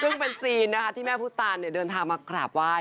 ซึ่งเป็นซีนนะคะที่แม่พุทธตานเดินทางมากราบไหว้